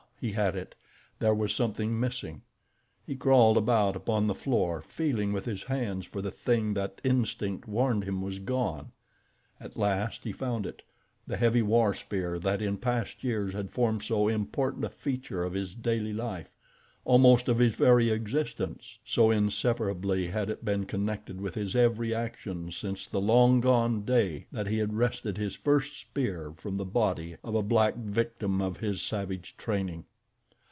he had it. There was something missing. He crawled about upon the floor, feeling with his hands for the thing that instinct warned him was gone. At last he found it—the heavy war spear that in past years had formed so important a feature of his daily life, almost of his very existence, so inseparably had it been connected with his every action since the long gone day that he had wrested his first spear from the body of a black victim of his savage training.